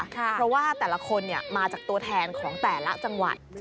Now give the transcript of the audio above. เพราะว่าแต่ละคนมาจากตัวแทนของแต่ละจังหวัด